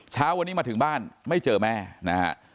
เช้าวันนี้มาถึงบ้านไม่เจอแม่นะฮะ